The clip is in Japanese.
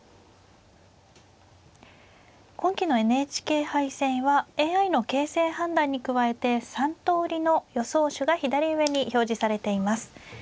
今期のＮＨＫ杯戦はＡＩの形勢判断に加えて３通りの予想手が左上に表示されています。